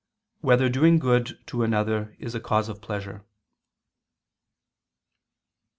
6] Whether Doing Good to Another Is a Cause of Pleasure?